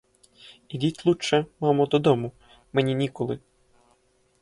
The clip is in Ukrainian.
Ідіть лучче, мамо, додому, мені ніколи.